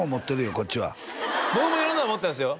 こっちは僕も色んなの持ってますよ